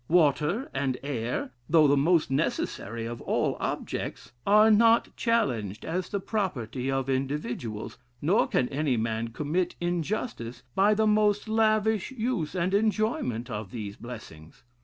Water and air, though the most necessary of all objects, are not challenged as the property of individuals; nor can any man commit injustice by the most lavish use and enjoyment of these blessings.